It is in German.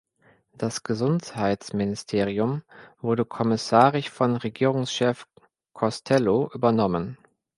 Das Gesundheitsministerium wurde kommissarisch von Regierungschef Costello übernommen.